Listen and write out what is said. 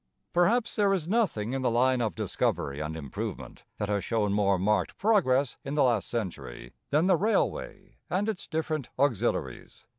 Perhaps there is nothing in the line of discovery and improvement that has shown more marked progress in the last century than the railway and its different auxiliaries.